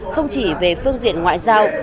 không chỉ về phương diện ngoại giao